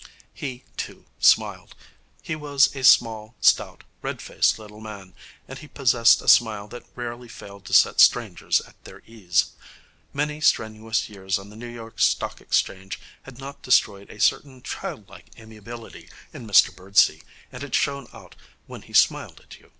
He, too, smiled. He was a small, stout, red faced little man, and he possessed a smile that rarely failed to set strangers at their ease. Many strenuous years on the New York Stock Exchange had not destroyed a certain childlike amiability in Mr Birdsey, and it shone out when he smiled at you.